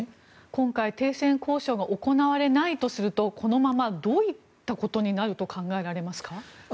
今回停戦交渉が行われないとするとこのままどういったことになると考えられますか？